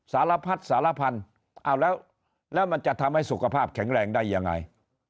สารพัฒน์สารพันธ์แล้วมันจะทำให้สุขภาพแข็งแรงได้ยังไง